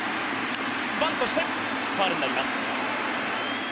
バントしてファウルになります。